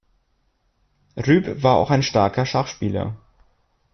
Rueb war auch ein starker Schachspieler.